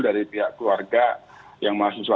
dari pihak keluarga yang mahasiswa